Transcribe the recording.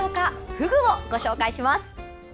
フグをご紹介します。